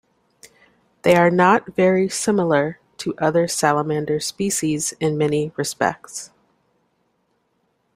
They are not very similar to other salamander species in many respects.